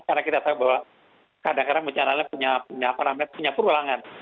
karena kita tahu bahwa kadang kadang bencana lainnya punya perulangan